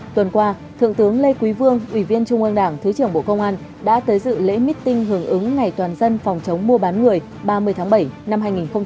tuần qua thượng tướng lê quý vương ủy viên trung ương đảng thứ trưởng bộ công an đã tới dự lễ meeting hưởng ứng ngày toàn dân phòng chống mua bán người ba mươi tháng bảy năm hai nghìn hai mươi